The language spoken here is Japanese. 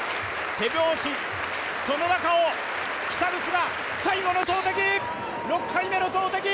手拍子その中を北口が最後の投てき６回目の投てき